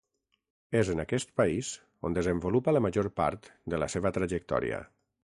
És en aquest país on desenvolupa la major part de la seva trajectòria.